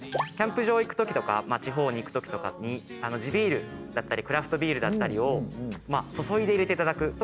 キャンプ場行くときとか地方に行くときとかに地ビールだったりクラフトビールだったりを注いで入れていただく。